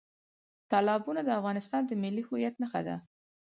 تالابونه د افغانستان د ملي هویت نښه ده.